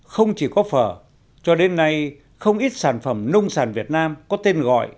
không chỉ có phở cho đến nay không ít sản phẩm nông sản việt nam có tên gọi